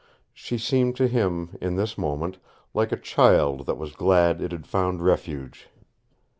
She seemed to him, in this moment, like a child that was glad it had found refuge.